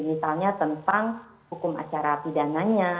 misalnya tentang hukum acara pidananya